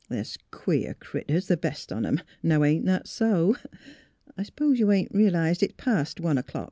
They're queer critters, the best on 'em. Now ain't that so? ... I s'pose you ain't re'lised it's past one o'clock.